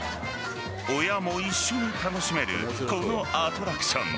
親も一緒に楽しめるこのアトラクション。